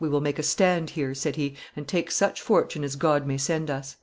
"We will make a stand here," said he, "and take such fortune as God may send us."